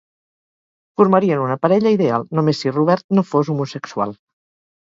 Formarien una parella ideal, només si Robert no fos homosexual.